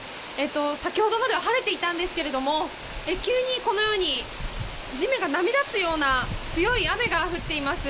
先ほどまで晴れていたんですけれども急に地面が波だつような強い雨が降っています。